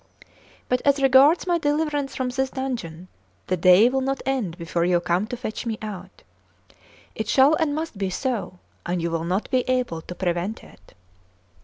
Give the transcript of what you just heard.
But, as regards my deliverance from this dungeon, the day will not end before you come to fetch me out. It shall and must be so, and you will not be able to prevent it."